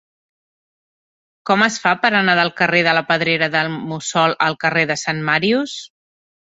Com es fa per anar del carrer de la Pedrera del Mussol al carrer de Sant Màrius?